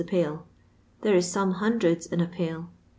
the pail. There is some hundreds in a pail.